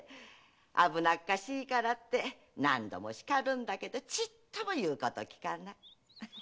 危なっかしいからって何度も叱るんだけどちっともいうこときかない。